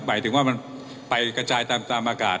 หมายถึงว่ามันไปกระจายตามอากาศ